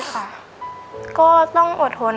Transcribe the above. แพนด้วย